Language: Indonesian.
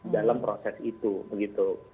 dalam proses itu